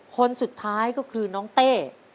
คนสุดท้ายก็คือน้องเต้